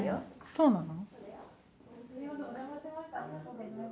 そうなの？